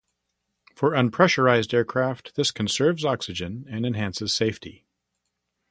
For unpressurized aircraft, this conserves oxygen and enhances safety.